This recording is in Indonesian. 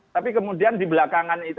tapi kemudian di belakangan itu